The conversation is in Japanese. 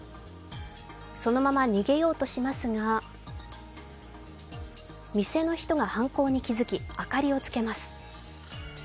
そのまま逃げようとしますが店の人が犯行に気づき、明かりをつけます。